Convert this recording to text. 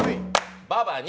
ばば２。